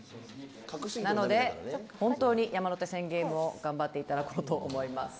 なので、本当に山手線ゲームを頑張っていただこうと思います。